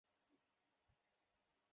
আমরা কাজটা করবো এখানে, ঠিক আছে?